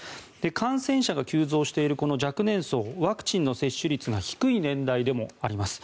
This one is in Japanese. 感染者が急増している若年層ワクチンの接種率が低い年代でもあります。